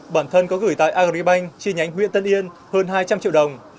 bản thân có gửi tài agribank chi nhánh nguyễn tân yên hơn hai trăm linh triệu đồng